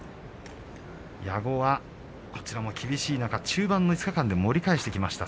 矢後は厳しい中、中盤の５日間で盛り返してきました。